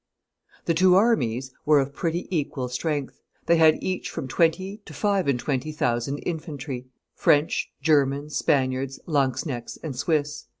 The two armies were of pretty equal strength: they had each from twenty to five and twenty thousand infantry, French, Germans, Spaniards, lanzknechts, and Swiss.